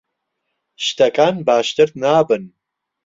شتەکان باشتر نابن.